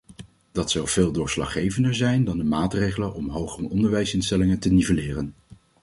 Dat zal veel doorslaggevender zijn dan de maatregelen om hogeronderwijsinstellingen te nivelleren.